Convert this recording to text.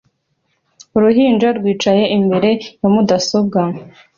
Uruhinja rwicaye imbere ya mudasobwa